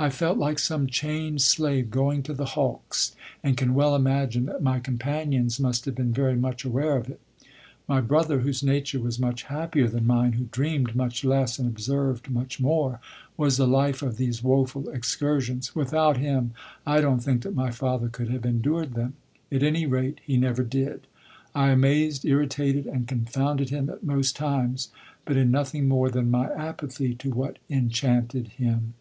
I felt like some chained slave going to the hulks, and can well imagine that my companions must have been very much aware of it. My brother, whose nature was much happier than mine, who dreamed much less and observed much more, was the life of these woeful excursions. Without him I don't think that my father could have endured them. At any rate, he never did. I amazed, irritated, and confounded him at most times, but in nothing more than my apathy to what enchanted him.